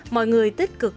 mọi người tích cực